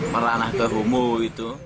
meranah kehumuh itu